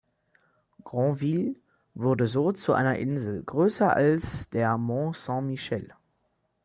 Granville wurde so zu einer Insel, größer als der Mont-Saint-Michel.